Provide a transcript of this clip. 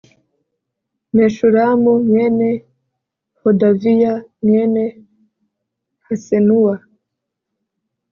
meshulamu mwene hodaviya mwene hasenuwa